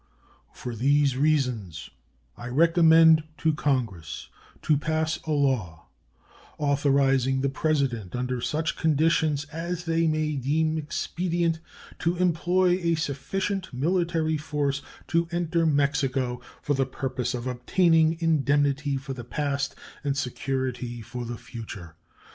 For these reasons I recommend to Congress to pass a law authorizing the President under such conditions as they may deem expedient, to employ a sufficient military force to enter Mexico for the purpose of obtaining indemnity for the past and security for the future.